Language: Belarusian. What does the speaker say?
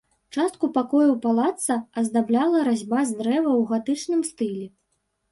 Частку пакояў палаца аздабляла разьба з дрэва ў гатычным стылі.